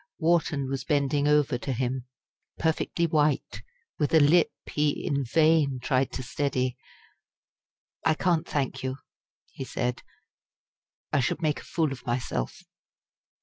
Wharton was bending over to him perfectly white, with a lip he in vain tried to steady. "I can't thank you," he said; "I should make a fool of myself."